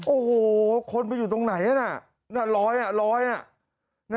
โอ้โหคนไปอยู่ตรงไหนน่ะร้อยอ่ะร้อยอ่ะ